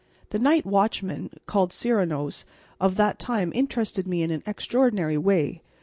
The night watchmen, called Serenos, of that time interested me in an extraordinary way.